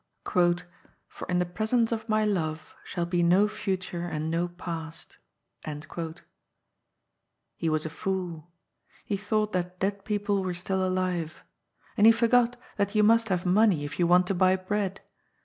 *' For in the Presence of my Love Shall be no Future and no Past" He was a fool. He thought that dead people were still alive. And he forgot that you must have money if you want to buy bread.